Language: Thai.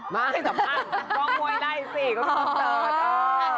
ไม่สัมภาษณ์ร้องมวยได้สิเขามีคอนเสิร์ต